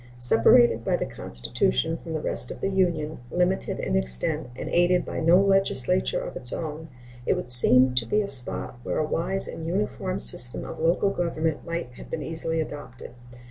Separated by the Constitution from the rest of the Union, limited in extent, and aided by no legislature of its own, it would seem to be a spot where a wise and uniform system of local government might have been easily adopted.